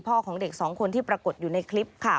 ของเด็กสองคนที่ปรากฏอยู่ในคลิปค่ะ